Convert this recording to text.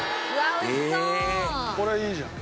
これいいじゃん。